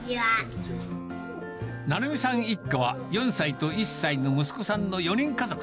成美さん一家は、４歳と１歳の息子さんの４人家族。